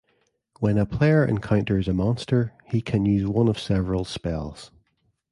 When a player encounters a monster, he can use one of several spells.